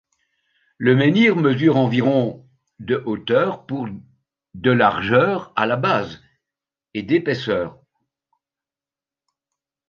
Le menhir mesure environ de hauteur pour de largeur à la base, et d'épaisseur.